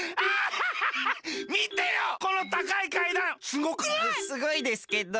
すごいですけど。